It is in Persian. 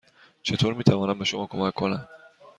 چطور می توانم به شما کمک کنم؟